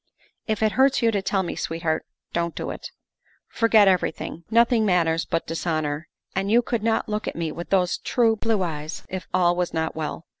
"If it hurts you to tell me, sweetheart, don't do it. Forget everything. Nothing matters but dishonor, and you could not look at me with those true blue eyes ir all was not well.